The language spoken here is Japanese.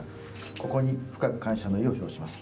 ここに深く感謝の意を表します。